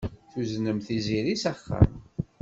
Tuznem Tiziri s axxam.